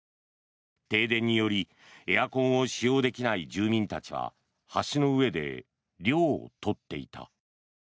停電によりエアコンを使用できない住民たちは橋の上で涼を取っていた。